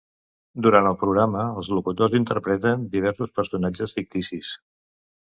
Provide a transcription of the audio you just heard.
Durant el programa els locutors interpreten diversos personatges ficticis.